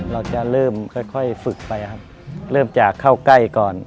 เราจะเริ่มค่อยฝึกไปครับเริ่มจากเข้าใกล้ก่อน